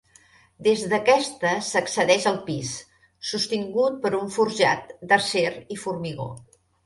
Des d'aquesta s'accedeix al pis, sostingut per un forjat d'acer i formigó.